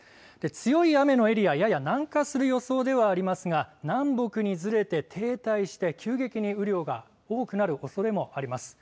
強い雨のエリア、やや南下する予想ではありますが南北にずれて停滞して急激に雨量が多くなるおそれもあります。